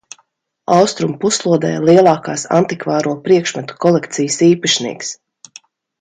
Austrumu puslodē lielākās antikvāro priekšmetu kolekcijas īpašnieks.